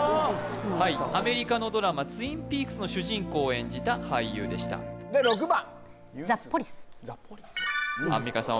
はいアメリカのドラマ「ツイン・ピークス」の主人公を演じた俳優でしたで６番アンミカさん